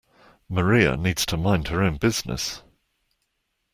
Maria needs to mind her own business.